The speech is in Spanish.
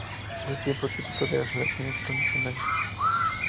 Es el tiempo típico de las oraciones condicionales.